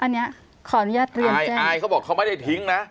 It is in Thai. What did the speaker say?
อันนี้ขออนุญาตเรียนใช่อายเขาบอกเขาไม่ได้ทิ้งนะ